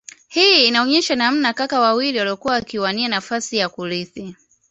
Hii inaonesha namna kaka wawili waliokuwa wakiwania nafasi ya kurithi